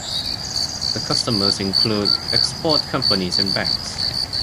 The customers include export companies and banks.